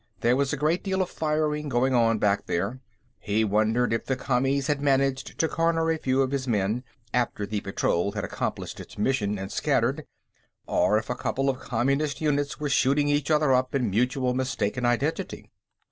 There was a great deal of firing going on, back there; he wondered if the Commies had managed to corner a few of his men, after the patrol had accomplished its mission and scattered, or if a couple of Communist units were shooting each other up in mutual mistaken identity.